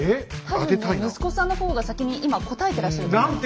多分ね息子さんの方が先に今答えてらっしゃると思います。